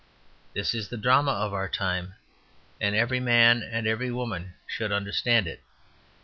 This is the drama of our time, and every man and every woman should understand it.